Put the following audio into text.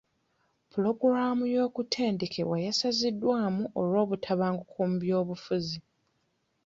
Pulogulamu y'okutendekebwa yasaziddwamu olw'obutabanguko mu byobufuzi.